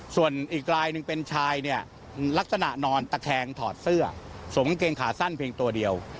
ส่วนอีกลายหนึ่งเป็นชายเนี่ยลักษณะนอนตะแคงถอดเสื้อสวมกางเกงขาสั้นเพียงตัวเดียว